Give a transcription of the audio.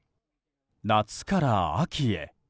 夏から秋へ。